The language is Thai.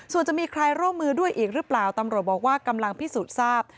ส่วนจะมีใครร่วมมือด้วยอีกหรือเปล่าตำรวจบอกว่ากำลังพิสูจน์ทราบ